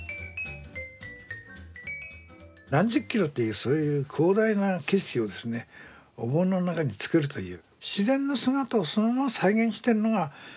何十キロというそういう広大な景色をですねお盆の中に作るという。